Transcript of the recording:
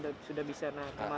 kita sudah bisa kemarin